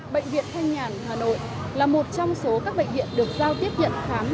bệnh viện thanh nhàn hà nội là một trong số các bệnh viện được giao tiếp nhận khám